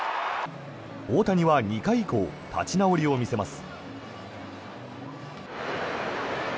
大谷は２回以降立ち直りを見せます。